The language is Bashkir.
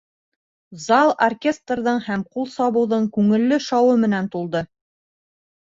Зал оркестрҙың һәм ҡул сабыуҙың күңелле шауы менән тулды.